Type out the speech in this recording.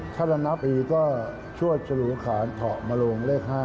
ถ้าจะนับปีก็ชวดชะลูขานเถาะมาโรงเลข๕